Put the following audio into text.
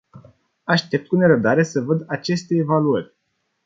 Aștept cu nerăbdare să văd aceste evaluări.